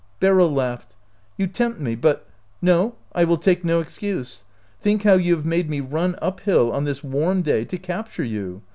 Beryl laughed. " You tempt me ; but —"" No, I will take no excuse. Think how you have made me run up hill on this warm day to capture you!